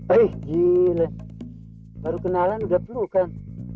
eh gila baru kenalan udah pelukan